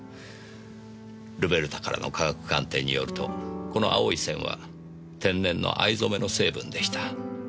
ルベルタからの科学鑑定によるとこの青い線は天然の藍染めの成分でした。